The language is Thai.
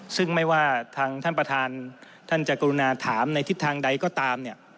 ซึ่งไม่ว่าทางท่านประธานท่านจะกรุณาถามในทิศทางใดก็ตามเนี่ย